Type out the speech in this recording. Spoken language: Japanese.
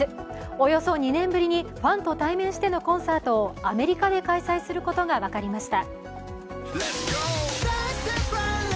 およそ２年ぶりにファンと対面してのコンサートをアメリカで開催することが分かりました。